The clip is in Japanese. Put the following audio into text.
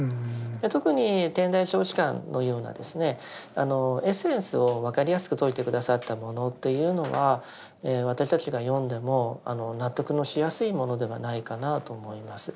特に「天台小止観」のようなエッセンスを分かりやすく説いて下さったものというのは私たちが読んでも納得のしやすいものではないかなと思います。